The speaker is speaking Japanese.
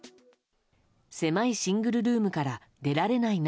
狭いシングルルームから出られない中。